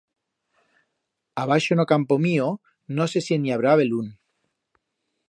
Abaixo en o campo mío no sé si en i habrá belún.